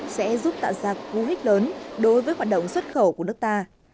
tại đây tpp đã giảm cú hít lớn đối với hoạt động xuất khẩu của nước ta